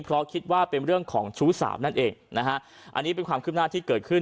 เพราะคิดว่าเป็นเรื่องของชู้สาวนั่นเองนะฮะอันนี้เป็นความคืบหน้าที่เกิดขึ้น